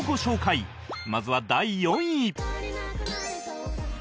まずは第４位